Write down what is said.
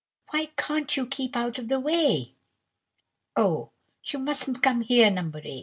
Why can't you keep out of the way?" "Oh, you mustn't come here, No. 8.